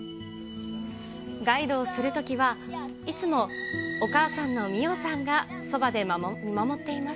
ガイドをするときはいつもお母さんの美緒さんがそばで見守っています。